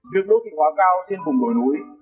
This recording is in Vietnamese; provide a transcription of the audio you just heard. việc đô thị quá cao trên vùng đồi núi